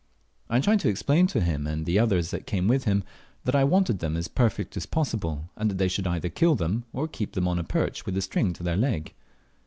I tried to explain to him, and to the others that came with him, that I wanted them as perfect as possible, and that they should either kill them, or keep them on a perch with a string to their leg.